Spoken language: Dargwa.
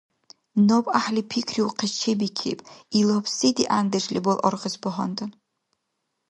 Наб гӀяхӀли пикриухъес чебикиб, илаб се дигӀяндеш лебал аргъес багьандан.